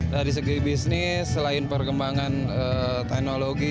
dari segi bisnis selain perkembangan teknologi